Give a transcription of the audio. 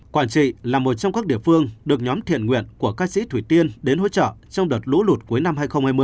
quảng trị là một trong các địa phương được nhóm thiện nguyện của ca sĩ thủy tiên đến hỗ trợ trong đợt lũ lụt cuối năm hai nghìn hai mươi